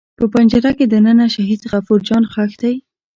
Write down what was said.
په پنجره کې دننه شهید غفور جان ښخ دی.